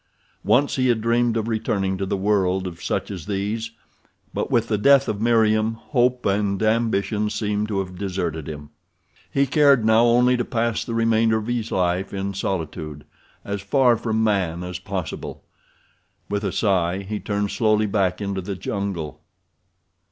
Once he had dreamed of returning to the world of such as these; but with the death of Meriem hope and ambition seemed to have deserted him. He cared now only to pass the remainder of his life in solitude, as far from man as possible. With a sigh he turned slowly back into the jungle.